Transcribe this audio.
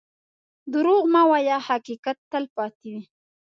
دروغ مه وایه، حقیقت تل پاتې وي.